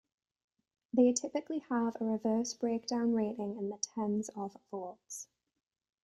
They typically have a reverse breakdown rating in the tens of volts.